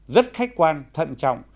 rất khách quan thận trọng